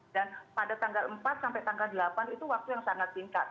pada tanggal empat sampai tanggal delapan itu waktu yang sangat singkat